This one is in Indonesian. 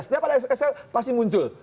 setiap ada isu eksekusi pasti muncul